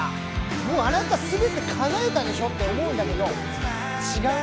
もうあなた全てかなえたでしょって思うんだけど違うんだと。